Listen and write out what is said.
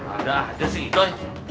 ada ada sih doi